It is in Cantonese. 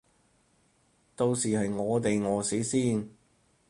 到時係我哋餓死先